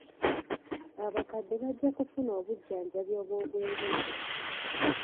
Abakadde bajja kufuna obujjanjabi obw'obwereere.